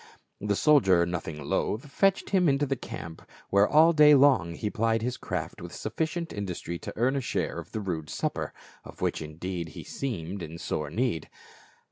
The soldier nothing loath fetched him into camp, where all day long he plied his craft with sufficient industry to earn a share of the rude supper, of which indeed he seemed in sore need.